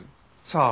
さあ。